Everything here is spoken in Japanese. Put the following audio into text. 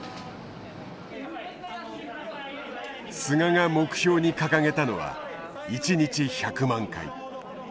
菅が目標に掲げたのは一日１００万回。